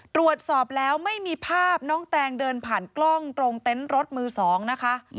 ตรวจสอบแล้วไม่มีภาพน้องแตงเดินผ่านกล้องตรงเต็นต์รถมือ๒นะคะ